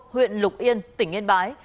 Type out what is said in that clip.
huyện lục yên tỉnh yên bái